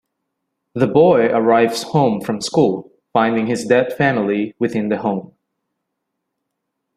The boy arrives home from school, finding his dead family within the home.